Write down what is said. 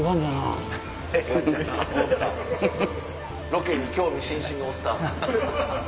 ロケに興味津々のおっさん。